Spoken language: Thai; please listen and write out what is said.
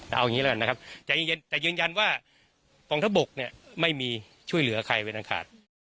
เอาอย่างนี้แล้วกันนะครับแต่เย็นว่าปองทบกเนี่ยไม่มีช่วยเหลือใครไว้ต่างค่ะ